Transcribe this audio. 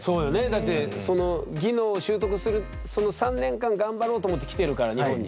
だってその技能を習得するその３年間頑張ろうと思って来てるから日本に。